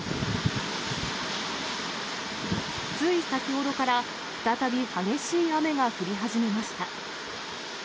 つい先ほどから、再び激しい雨が降り始めました。